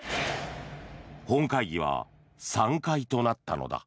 本会議は散会となったのだ。